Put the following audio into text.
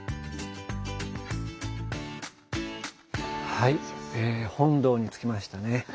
はい本堂に着きましたね。